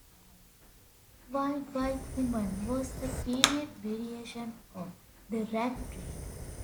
"Wild, Wild Women" was a period variation of "The Rag Trade".